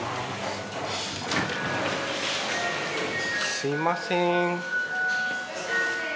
すみません